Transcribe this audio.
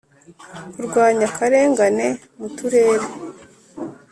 kurwanya akarengane mu Turere